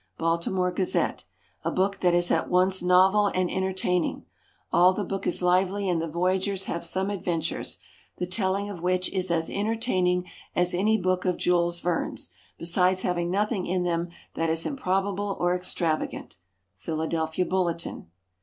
Baltimore Gazette. A book that is at once novel and entertaining. All the book is lively, and the voyagers have some adventures, the telling of which is as entertaining as any book of Jules Verne's, besides having nothing in them that is improbable or extravagant. _Philadelphia Bulletin.